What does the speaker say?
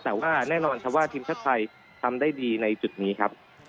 แต่แน่นอนเท่าที่เทียงชัดใจทำได้ดีในจุดนี้ครับ